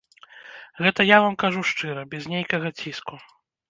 Гэта я вам кажу шчыра, без нейкага ціску.